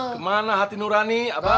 kemana hati nurani abah